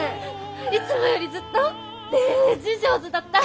いつもよりずっとデージ上手だった！